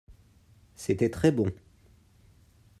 C’était très bon.